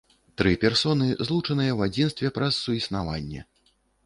Тры персоны злучаныя ў адзінстве праз суіснаванне.